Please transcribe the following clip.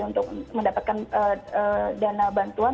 untuk mendapatkan dana bantuan